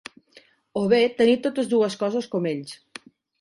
O bé tenir totes dues coses com ells.